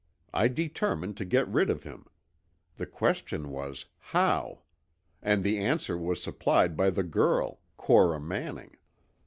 I determined to get rid of him. The question was, how? and the answer was supplied by the girl, Cora Manning.